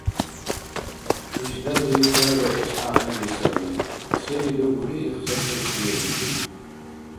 Ишдази хьарбаэс гӀягӀнили саби, сели дугули, ихцад цӀерхьдиубтил.